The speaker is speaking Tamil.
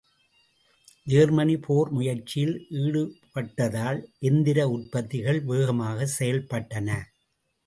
ஜெர்மனி போர் முயற்சியில் ஈடுபட்டதால் எந்திர உற்பத்திகள் வேகமாகச் செயல்பட்டன.